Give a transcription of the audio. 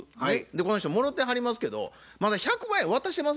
この人もろてはりますけどまだ１００万円渡してませんね。